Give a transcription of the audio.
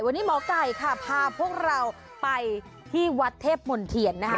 วันนี้หมอไก่ค่ะพาพวกเราไปที่วัดเทพมนเทียนนะคะ